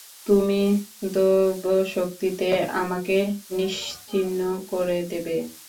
তুমি দৈবশক্তিতে আমাকে নিশ্চিহ্ন করে দেবে?